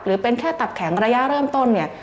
หรือเป็นแค่ตับแข็งระยะเริ่มต้น